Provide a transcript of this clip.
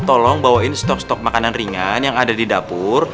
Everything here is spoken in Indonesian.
tolong bawain stok stok makanan ringan yang ada di dapur